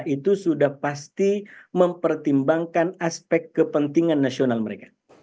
itu sudah pasti mempertimbangkan aspek kepentingan nasional mereka